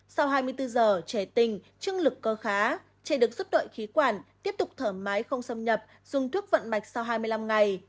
sau hai mươi bốn giờ trẻ tình trưng lực cơ khá trẻ được giúp đợi khí quản tiếp tục thở máy không xâm nhập dùng thuốc vận mạch sau hai mươi năm ngày